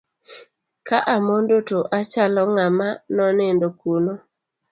Ka amondo to achalo ng'ama nonindo kuno.